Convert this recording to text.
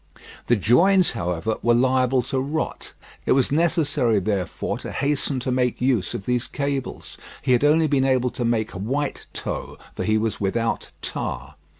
The joins, however, were liable to rot. It was necessary, therefore, to hasten to make use of these cables. He had only been able to make white tow, for he was without tar.